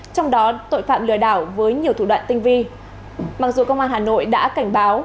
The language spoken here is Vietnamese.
trong đó tội phạm lừa đảo với nhiều thủ đoạn tinh vi mặc dù công an hà nội đã cảnh báo